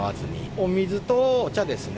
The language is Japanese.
お水とお茶ですね。